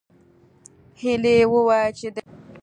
هیلې وویل چې د ګاونډي ښځې وې